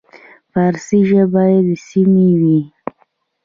فارسي ژبې سیمې وې.